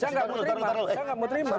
saya nggak mau terima